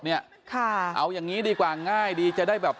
เอาอย่างนี้ดีกว่าง่ายดีจะได้แบบ